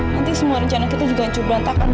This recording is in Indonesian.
nanti semua rencana kita juga cukup berantakan